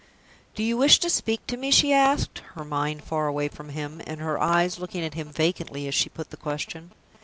"Do you wish to speak to me?" she asked; her mind far away from him, and her eyes looking at him vacantly as she put the question.